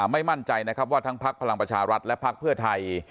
ไม่มั่นใจนะครับว่าทั้งพักพลังประชารัฐและพักเพื่อไทย